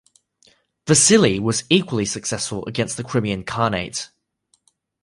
Vasili was equally successful against the Crimean Khanate.